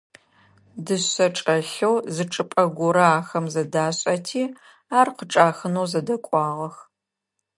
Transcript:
Дышъэ чӀэлъэу зы чӀыпӀэ горэ ахэм зэдашӀэти, ар къычӀахынэу зэдэкӀуагъэх.